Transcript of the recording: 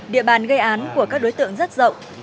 địa bàn gây án của các đối tượng rất rộng